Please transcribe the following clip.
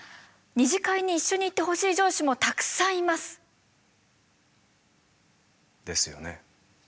二次会に一緒に行ってほしい上司もたくさんいます！ですよね。